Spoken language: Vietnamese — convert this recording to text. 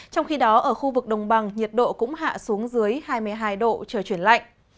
trong khi đó ở khu vực đồng bằng nhiệt độ cũng hạ xuống dưới hai mươi hai độ trời chuyển lạnh